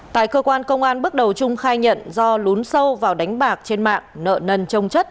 tại cơ quan công an bước đầu trung khai nhận do lún sâu vào đánh bạc trên mạng nợ nần trông chất